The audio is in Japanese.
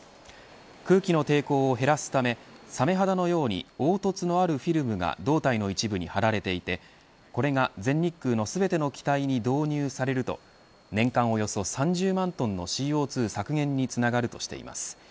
空気の抵抗を減らすためサメ肌のように凹凸のあるフィルムが胴体の一部に張られていてこれが全日空の全ての機体に導入されると年間およそ３０万トンのＣＯ２削減につながるとしています。